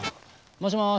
もしもし。